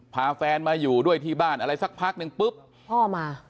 พาแฟนมาอยู่ด้วยที่บ้านอะไรสักพักนึงปุ๊บพ่อมา